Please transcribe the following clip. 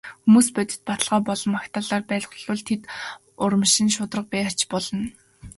Хүмүүсийг бодит баталгаа болон магтаалаар байгуулбал тэд урамшин шударга байх болно.